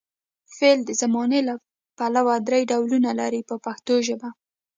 فعل د زمانې له پلوه درې ډولونه لري په پښتو ژبه.